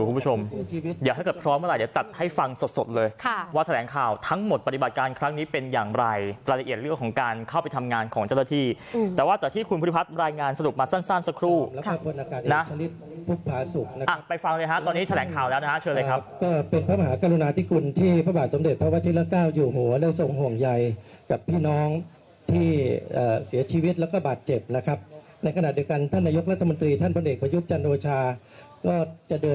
อยู่คุณผู้ชมเดี๋ยวถ้าเกิดพร้อมเมื่อไหร่เดี๋ยวตัดให้ฟังสดเลยค่ะว่าแถลงข่าวทั้งหมดปฏิบัติการครั้งนี้เป็นอย่างไรรายละเอียดเรื่องของการเข้าไปทำงานของเจ้าหน้าที่อืมแต่ว่าแต่ที่คุณพุทธิพัฒน์รายงานสรุปมาสั้นสั้นสักครู่ครับนะแล้วก็ผ่วนอากาศอีกชนิดพุทธภาษุ